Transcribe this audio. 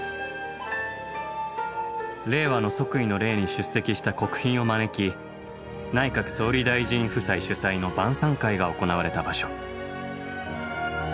令和の「即位の礼」に出席した国賓を招き内閣総理大臣夫妻主催の晩餐会が行われた場所。